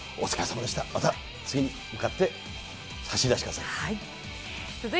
また次に向かって走りだしてください。